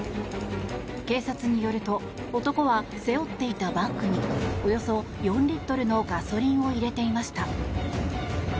警察によると男は、背負っていたバッグにおよそ４リットルのガソリンを入れていました。